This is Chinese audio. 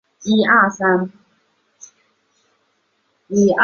本鱼分布于西印度洋的红海及亚丁湾。